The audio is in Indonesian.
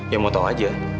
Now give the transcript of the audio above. ya mau tau aja